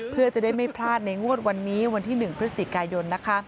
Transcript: เพื่อจะได้ไม่พลาดในงวดวันนี้วันที่๑พฤศจิกายนนะคะ